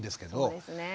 そうですねえ。